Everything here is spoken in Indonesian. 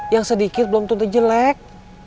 yang sedikit belum tentu jelek